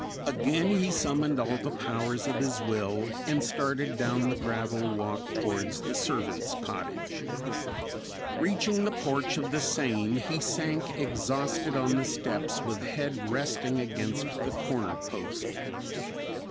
Again, he summoned all the powers of his will and started down the gravel walk towards the servant's cottage. Reaching the porch of the same, he sank exhausted on the steps with head resting against the corner post.